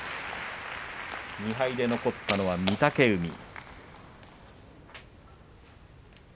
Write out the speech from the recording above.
２敗で残ったのは御嶽海。